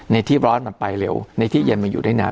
ในที่ร้อนมันไปเร็วในที่เย็นมันอยู่ได้นาน